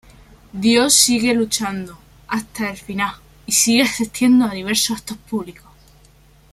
Dio sigue luchando hasta el final y sigue asistiendo a diversos actos públicos.